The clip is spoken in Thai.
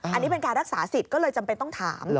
อันนี้เป็นการรักษาสิทธิ์ก็เลยจำเป็นต้องถาม